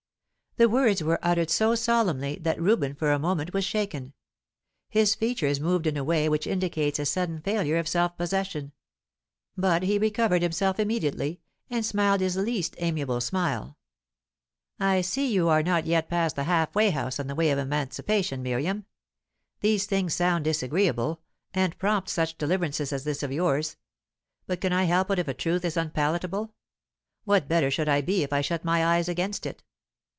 The words were uttered so solemnly that Reuben for a moment was shaken; his features moved in a way which indicates a sudden failure of self possession. But he recovered himself immediately, and smiled his least amiable smile. "I see you are not yet past the half way house on the way of emancipation, Miriam. These things sound disagreeable, and prompt such deliverances as this of yours. But can I help it if a truth is unpalatable? What better should I be if I shut my eyes against it?